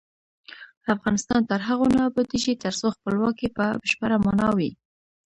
افغانستان تر هغو نه ابادیږي، ترڅو خپلواکي په بشپړه مانا وي.